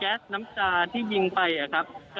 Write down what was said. เหลือเพียงกลุ่มเจ้าหน้าที่ตอนนี้ได้ทำการแตกกลุ่มออกมาแล้วนะครับ